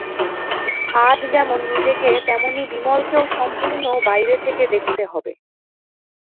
আজ যেমন নিজেকে তেমনি বিমলকেও সম্পূর্ণ বাইরে থেকে দেখতে হবে।